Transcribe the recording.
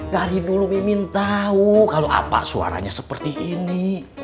dari dulu mimin tahu kalau apa suaranya seperti ini